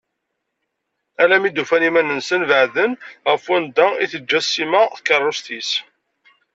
Alammi i d-ufan iman-nsen beɛden ɣef wanda i teǧǧa Sima takerrust-is.